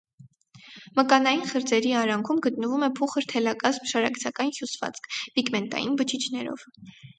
Մկանային խրձերի արանքում գտնվում է փուխր թելակազմ շարակցական հյուսվածք՝ պիգմենտային բջիջներով։